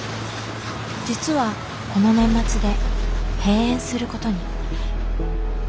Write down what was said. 実はこの年末で閉園することに。